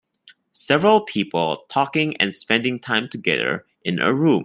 Several people talking and spending time together in a room.